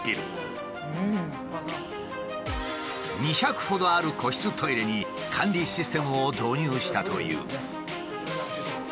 ２００ほどある個室トイレに管理システムを導入したという。